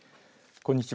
こんにちは。